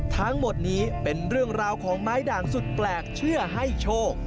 ทั้งหมดนี้เป็นเรื่องราวของไม้ด่างสุดแปลกเชื่อให้โชค